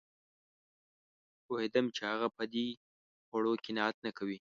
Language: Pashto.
پوهېدم چې هغه په دې خوړو قناعت نه کوي